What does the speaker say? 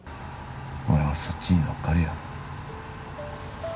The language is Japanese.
俺もそっちに乗っかるよ